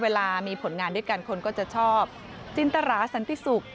เวลามีผลงานด้วยกันคนก็จะชอบจินตราสันติศุกร์